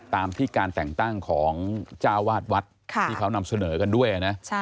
ตามที่การแต่งตั้งของเจ้าวาดวัดที่เขานำเสนอกันด้วยนะ